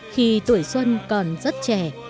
khi tuổi xuân còn rất trẻ